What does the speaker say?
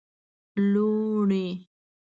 لوڼی